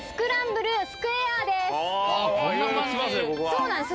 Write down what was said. そうなんです。